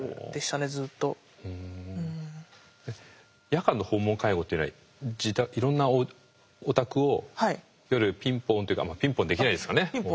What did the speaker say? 夜間の訪問介護っていうのはいろんなお宅を夜ピンポンっていうかピンポンできないですかね。